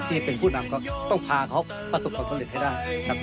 พี่เป็นผู้นำเขาต้องพาเขาประสบกว่าประเภทได้ได้